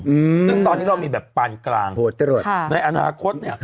อืมซึ่งตอนนี้เรามีแบบปานกลางโหดเกินค่ะในอนาคตเนี้ย